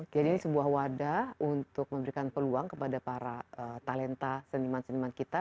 jadi ini sebuah wadah untuk memberikan peluang kepada para talenta seniman seniman kita